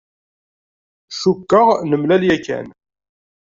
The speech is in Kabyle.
Cukkeɣ nemlal yakan.